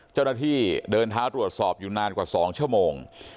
เจ้าหน้าที่เดินเท้าตรวจสอบอยู่นานกว่า๒ชั่วโมง